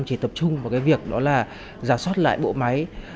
chỉ tập trung vào cái việc đó là giả soát lại bộ máy